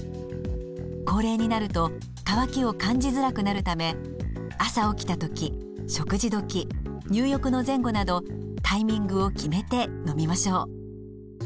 高齢になると渇きを感じづらくなるため朝起きた時食事時入浴の前後などタイミングを決めて飲みましょう。